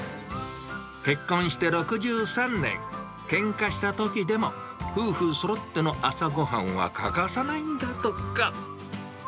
結婚して６３年、けんかしたときでも、夫婦そろっての朝ごはんは欠かさないんだとか。